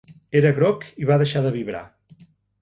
Era groc i va deixar de vibrar.